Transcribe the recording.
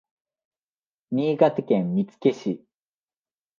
新潟県見附市